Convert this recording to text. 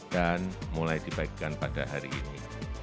dan mulai dibagikan pada hari ini